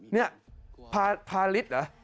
นี่พาริสเหรอ